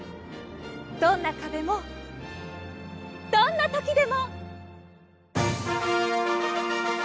どんなかべもどんなときでも。